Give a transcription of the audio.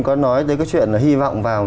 có nói tới cái chuyện hy vọng vào